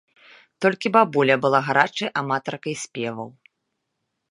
Толькі бабуля была гарачай аматаркай спеваў.